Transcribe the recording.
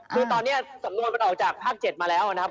คือตอนนี้สำนวนมันออกจากภาค๗มาแล้วนะครับ